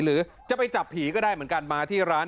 หรือจะไปจับผีก็ได้เหมือนกัน